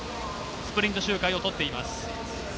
スプリント周回を取っています。